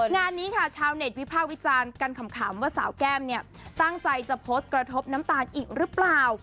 งานนี้ค่ะชาวเน็ตวิภาควิจารณ์กันขำว่าสาวแก้มเนี่ยตั้งใจจะโพสต์กระทบน้ำตาลอีกหรือเปล่า